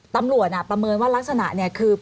ประเมินว่ารักษณะเนี่ยคือ